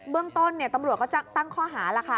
เรื่องต้นตำรวจก็จะตั้งข้อหาแล้วค่ะ